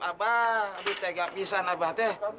aduh t'ah gak bisa abah t'ah